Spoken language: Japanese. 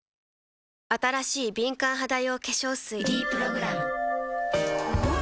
新しい敏感肌用化粧水「ｄプログラム」おっ！